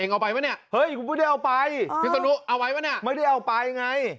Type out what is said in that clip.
เอ็งเอาไปมั้ยเนี่ยพี่สนุกเอาไว้มั้ยเนี่ยไม่ได้เอาไปไง